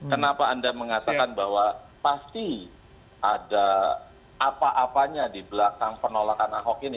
kenapa anda mengatakan bahwa pasti ada apa apanya di belakang penolakan ahok ini